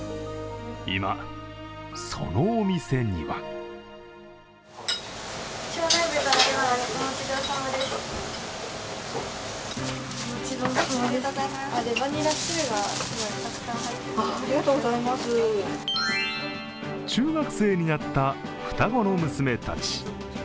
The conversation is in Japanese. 今、そのお店には中学生になった双子の娘たち。